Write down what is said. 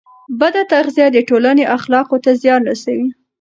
بد تغذیه د ټولنې اخلاقو ته زیان رسوي.